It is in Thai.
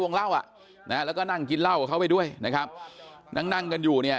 วงเล่าอ่ะแล้วก็นั่งกินเล่าเขาไปด้วยนะครับนั่งกันอยู่เนี่ย